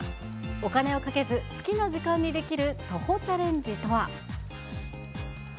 お金をかけず、好きな時間にできる徒歩チャレンジとは。